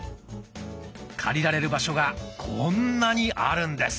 借りられる場所がこんなにあるんです。